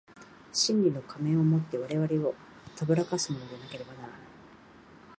真理の仮面を以て我々を誑かすものでなければならない。